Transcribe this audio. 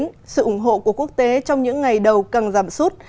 ngoại truyền thống của quốc tế trong những ngày đầu càng giảm sút